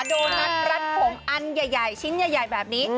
โดนัทรัดผมอันใหญ่ชิ้นใหญ่แบบนี้